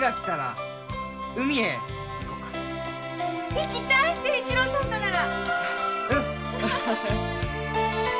行きたい清一郎さんとなら。